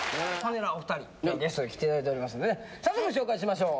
お２人ゲストで来ていただいておりますので早速紹介しましょう！